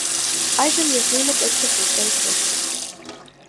Այժմ ես նույնը պետք է խնդրեմ քեզ: